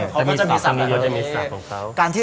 เขาจะมีศัพท์ของเขา